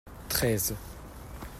Treize.